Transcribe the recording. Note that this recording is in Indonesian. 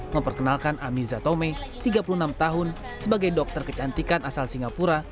memperkenalkan amiza tome tiga puluh enam tahun sebagai dokter kecantikan asal singapura